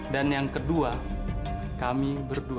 dan yang kedua kami berdua